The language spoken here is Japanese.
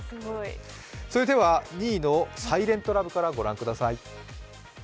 それでは、２位の「サイレントラブ」からご覧ください。